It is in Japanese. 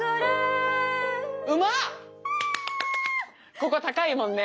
ここは高いもんね。